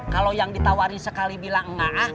kalau yang ditawari sekali bilang enggak ah